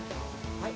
はい。